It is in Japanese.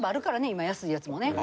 今安いやつもね。